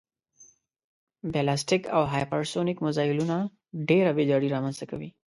بلاستیک او هیپرسونیک مزایلونه ډېره ویجاړي رامنځته کوي